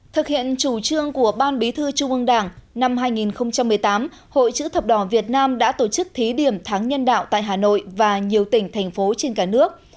thực hiện chủ trương của ban bí thư trung ương đảng năm hai nghìn một mươi tám hội chữ thập đỏ việt nam đã tổ chức thí điểm tháng nhân đạo tại hà nội và nhiều tỉnh thành phố trên cả nước